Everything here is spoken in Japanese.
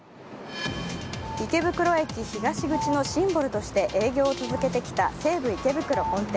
池袋駅東口のシンボルとして営業を続けてきた西武池袋本店。